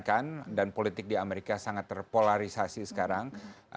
karena kemungkinan mereka di amerika sangat terpolarisasi sekarang